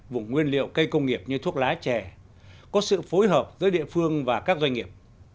vùng nguyên liệu cây công nghiệp như thuốc lá chè có sự phối hợp giữa địa phương và các doanh nghiệp